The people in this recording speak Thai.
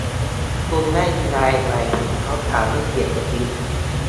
คุณได้ยินอะไรมั้ย เขาถามด้วยเสียงกระซิบ